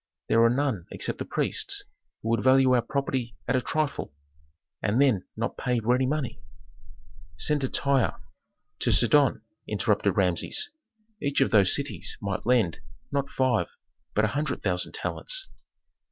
There are none except the priests, who would value our property at a trifle, and then not pay ready money." "Send to Tyre, to Sidon," interrupted Rameses. "Each of those cities might lend, not five, but a hundred thousand talents."